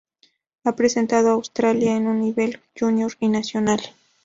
Ha representado a Australia en un nivel junior y nacional.